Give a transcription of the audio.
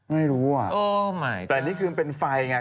ไม่รู้อ่ะแต่นี่คือเป็นไฟไง